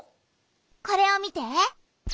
これを見て。